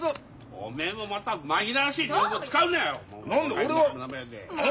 おめえもまた紛らわしい日本語使うなよ！